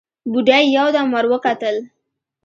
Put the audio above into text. بوډۍ يودم ور وکتل: